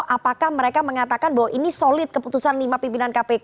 apakah mereka mengatakan bahwa ini solid keputusan lima pimpinan kpk